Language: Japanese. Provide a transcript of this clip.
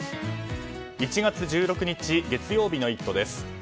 １月１６日月曜日の「イット！」です。